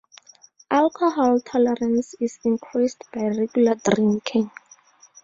Alcohol tolerance is increased by regular drinking.